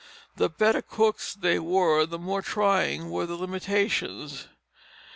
The better cooks they were, the more trying were the limitations.